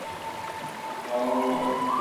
په فشار کې یوازې نیوترونونه پاتې کېږي.